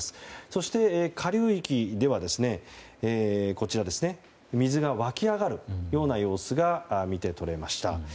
そして、下流域では水が湧き上がるような様子が見て取れました。